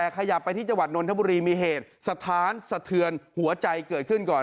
ขยับไปที่จังหวัดนนทบุรีมีเหตุสถานสะเทือนหัวใจเกิดขึ้นก่อน